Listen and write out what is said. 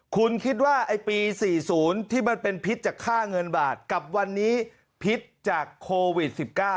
คุณคิดว่าไอ้ปี๔๐ที่มันเป็นพิษจากค่าเงินบาทกับวันนี้พิษจากโควิด๑๙